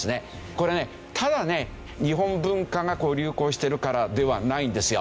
これねただね日本文化が流行しているからではないんですよ。